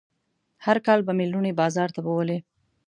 هر کال به مې لوڼې بازار ته بوولې.